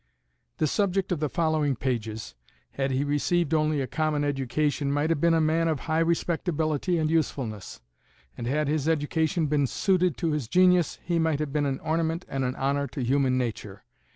The subject of the following pages, had he received only a common education, might have been a man of high respectability and usefulness; and had his education been suited to his genius, he might have been an ornament and an honor to human nature.